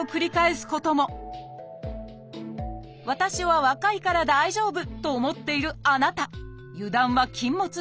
私は若いから大丈夫！と思っているあなた油断は禁物です。